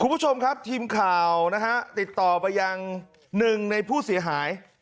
คุณผู้ชมครับทีมข่าวนะฮะติดต่อไปยังหนึ่งในผู้เสียหาย